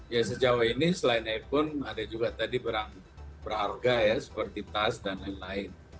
ya sejauh ini selain iphone ada juga tadi berharga ya seperti tas dan lain lain